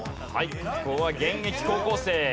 ここは現役高校生。